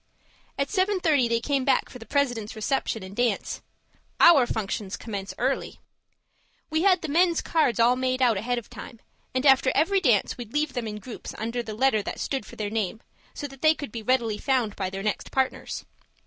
At seven thirty they came back for the President's reception and dance. Our functions commence early! We had the men's cards all made out ahead of time, and after every dance, we'd leave them in groups, under the letter that stood for their names, so that they could be readily found by their next partners.